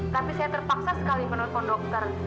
tapi saya terpaksa sekali menelpon dokter